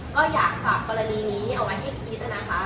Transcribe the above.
ก็อยากฝากกรณีนี้เอาไว้ให้คิดนะคะ